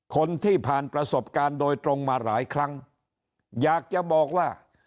คนที่ผ่านประสบการณ์โดยตรงมาหลายครั้งอยากจะบอกว่า